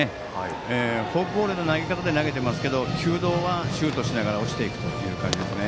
フォークボールのような投げ方で投げていますが球道はシュートしながら落ちていくという感じですね。